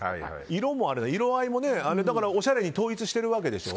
色合いも、おしゃれに統一しているわけでしょ。